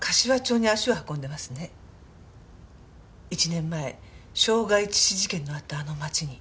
１年前傷害致死事件のあったあの町に。